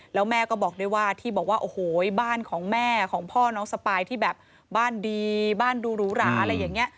แล้วแม่ก็บอกด้วยว่าที่บอกว่าโอ้โหบ้านของแม่ของพ่อน้องสปายที่แบบบ้านดีบ้านดูหรูหราอะไรอย่างนี้